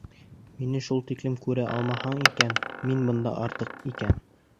Мине шул тиклем күрә алмайһың икән, мин бында артыҡ икән...